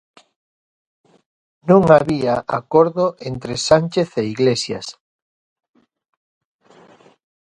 Non había acordo entre Sánchez e Iglesias.